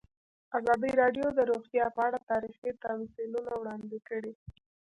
ازادي راډیو د روغتیا په اړه تاریخي تمثیلونه وړاندې کړي.